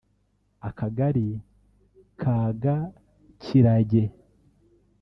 Akagari ka Gakirage